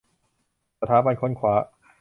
สถาบันค้นคว้า